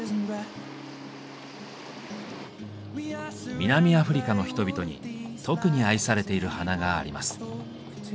南アフリカの人々に特に愛されている花があります。